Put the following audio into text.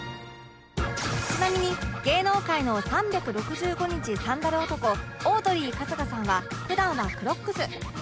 ちなみに芸能界の３６５日サンダル男オードリー春日さんは普段はクロックス